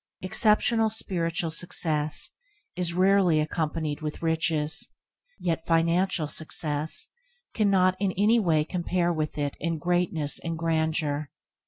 Exceptional spiritual success is rarely accompanied with riches, yet financial success cannot in any way compare with it in greatness and grandeur.